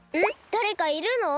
だれかいるの！？